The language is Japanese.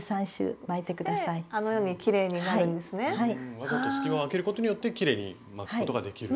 わざと隙間を空けることによってきれいに巻くことができると。